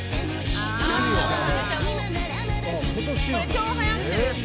「超はやってるやつ」